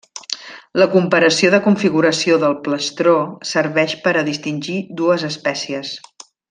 La comparació de configuració del plastró serveix per a distingir dues espècies.